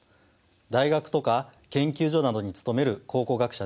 大学とか研究所などに勤める考古学者ではありません。